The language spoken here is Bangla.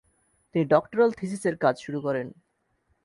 তিনি ডক্টরাল থিসিসের কাজ শুরু করেন।